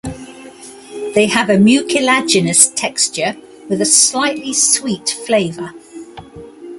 They have a mucilaginous texture with a slightly sweet flavor.